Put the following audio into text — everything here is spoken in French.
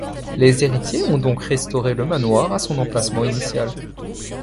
Les héritiers ont donc restauré le manoir à son emplacement initial.